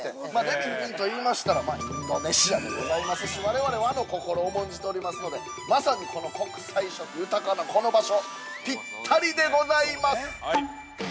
◆デヴィ夫人といいましたらインドネシアでございますし我々、和の心を重んじておりますのでまさにこの国際色豊かなこの場所ぴったりでございます。